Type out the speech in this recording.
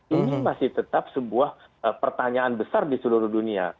ini masih tetap sebuah pertanyaan besar di seluruh dunia